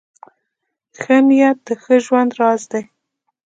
ښه نیت د ښه ژوند راز دی .